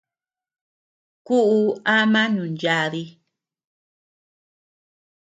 Kúʼu ama nunyadi.